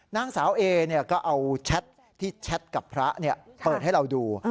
นางสาวเอก็เอาแชทที่แชทกับพระเปิดให้เราดู